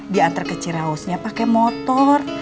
diantar ke ciraosnya pake motor